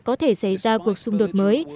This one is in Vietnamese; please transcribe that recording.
có thể xảy ra cuộc xung đột mới